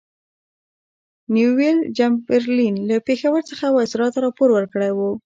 نیویل چمبرلین له پېښور څخه وایسرا ته راپور ورکړی وو.